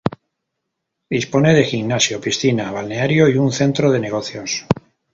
Dispone de gimnasio, piscina, balneario y un centro de negocios.